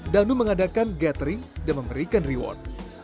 danu mengadakan gathering dan memberikan reward